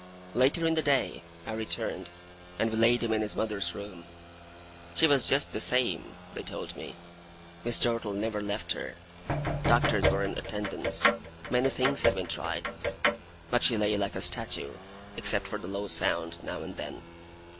Later in the day, I returned, and we laid him in his mother's room. She was just the same, they told me; Miss Dartle never left her; doctors were in attendance, many things had been tried; but she lay like a statue, except for the low sound now and then.